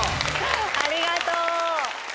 ありがとう！